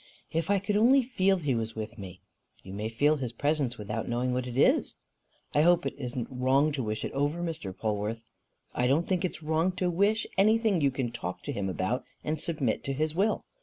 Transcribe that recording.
"If I could only feel he was with me!" "You may feel his presence without knowing what it is." "I hope it isn't wrong to wish it over, Mr. Polwarth?" "I don't think it is wrong to wish anything you can talk to him about and submit to his will.